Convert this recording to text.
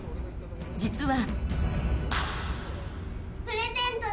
実は。